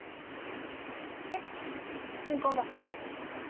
で順子叔母さんたち何だって？